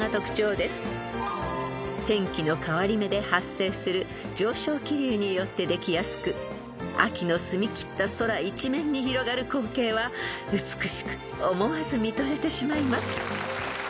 ［天気の変わり目で発生する上昇気流によってできやすく秋の澄みきった空一面に広がる光景は美しく思わず見とれてしまいます］